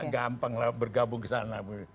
gampanglah bergabung ke sana